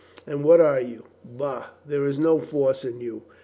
And what are you ? Bah, there is no force in you.